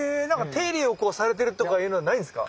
⁉手入れをされてるとかいうのはないんですか？